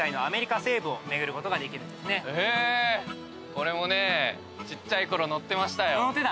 これもねちっちゃいころ乗ってましたよ。